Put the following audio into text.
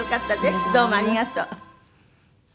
どうもありがとう。